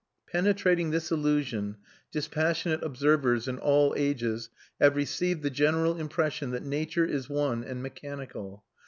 Penetrating this illusion, dispassionate observers in all ages have received the general impression that nature is one and mechanical.